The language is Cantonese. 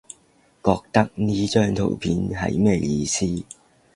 覺得呢張圖片係咩意思？